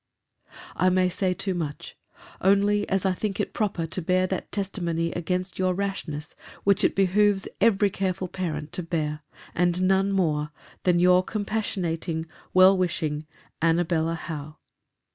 I may say too much: only as I think it proper to bear that testimony against your rashness which it behoves every careful parent to bear: and none more than Your compassionating, well wishing ANNABELLA HOWE.